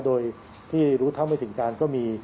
โดยที่รู้เท่าไม่ถึงการก็มี